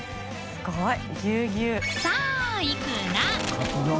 すごい！